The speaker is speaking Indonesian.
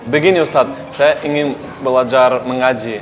begini ustadz saya ingin belajar mengaji